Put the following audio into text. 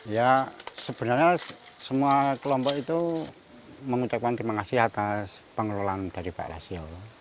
ya sebenarnya semua kelompok itu mengucapkan terima kasih atas pengelolaan dari pak rasio